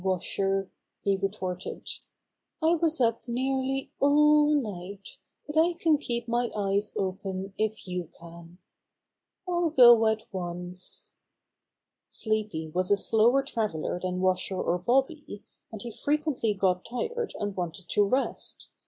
Washer," he retorted. "I was up nearly all night, but I can keep my eyes open if you can. Ill go at once." Sleepy was a slower traveler than Washer or Bobby, and he frequently got tired and wanted to rest.